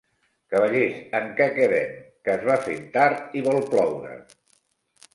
Cavallers, en què quedem? Que es va fent tard i vol ploure...